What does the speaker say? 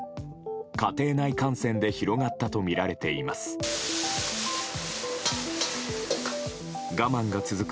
家庭内感染で広がったとみられています。